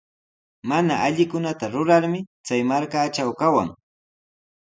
Mana allikunata rurarmi chay markatraw kawan.